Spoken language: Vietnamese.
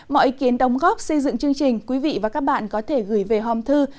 mọi ý kiến đồng góp xây dựng chương trình quý vị và các bạn có thể gửi về hòm thư